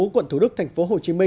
quận thủ đức tp hcm